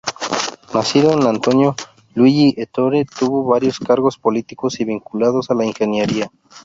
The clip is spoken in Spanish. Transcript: Nacido como Antonio Luigi Ettore, tuvo varios cargos políticos y vinculados a la ingeniería.